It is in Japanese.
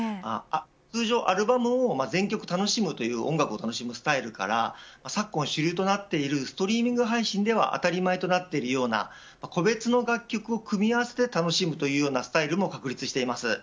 通常、アルバムを全曲楽しむという音楽を楽しむスタイルから昨今主流となっているストリーミング配信では当たり前となっているような個別の楽曲を組み合わせて楽しむというようなスタイルも確立しています。